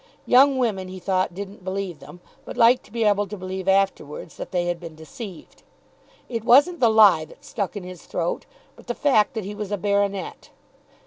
Young women, he thought, didn't believe them, but liked to be able to believe afterwards that they had been deceived. It wasn't the lie that stuck in his throat, but the fact that he was a baronet.